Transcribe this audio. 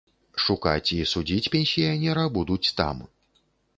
Шукаць і судзіць пенсіянера будуць там.